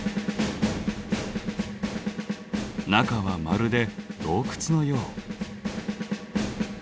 中はまるで洞窟のよう。